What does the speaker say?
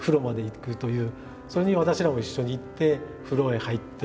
それに私らも一緒に行って風呂へ入って。